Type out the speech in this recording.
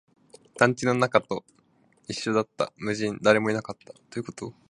団地の中と一緒だった、無人、誰もいなかった